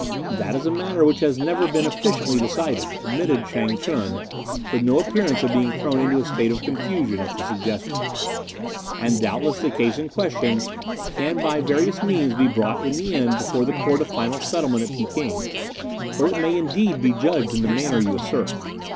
"That is a matter which has never been efficiently decided," admitted Chang ch'un, with no appearance of being thrown into a state of confusion at the suggestion, "and doubtless the case in question can by various means be brought in the end before the Court of Final Settlement at Peking, where it may indeed be judged in the manner you assert.